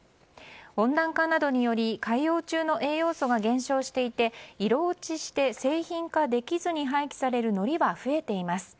温暖化などにより海洋中の栄養素が減少していて、色落ちして製品化できずに廃棄されるのりは増えています。